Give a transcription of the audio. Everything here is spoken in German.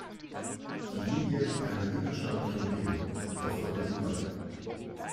Die Linie einer innerstaatlichen Regelung verfolgte sie weiter.